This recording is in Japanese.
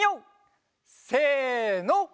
せの！